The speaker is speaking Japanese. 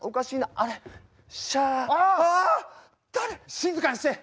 静かにして！